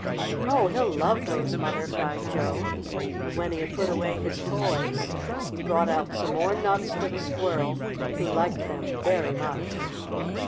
"Oh, he'll love those, Mother!" cried Joe. And when he had put away his toys he brought out some more nuts for the Squirrel, who liked them very much.